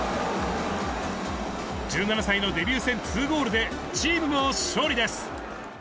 １７歳のデビュー戦２ゴールで、チームも勝利です。